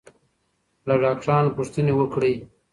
له ډاکټرانو پوښتنې وکړئ.